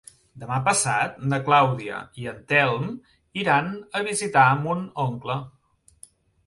Demà passat na Clàudia i en Telm iran a visitar mon oncle.